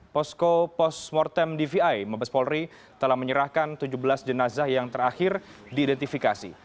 posko pos mortem dvi mabes polri telah menyerahkan tujuh belas jenazah yang terakhir diidentifikasi